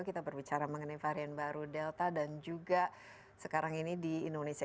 kita berbicara mengenai varian baru delta dan juga sekarang ini di indonesia